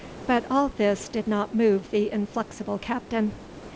But all this did not move the inflexible Captain.